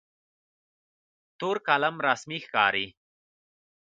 تور قلم رسمي ښکاري.